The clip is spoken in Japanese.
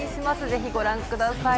ぜひご覧ください。